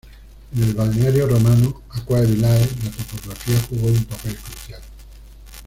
En el balneario romano "Aquae Villae" la topografía jugó un papel crucial.